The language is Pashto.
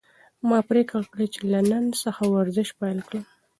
ما پریکړه کړې چې له نن څخه ورزش پیل کړم.